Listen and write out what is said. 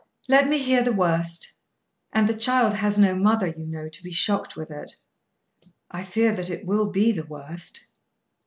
Let me hear the worst. And the child has no mother, you know, to be shocked with it." "I fear that it will be the worst."